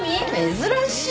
珍しい。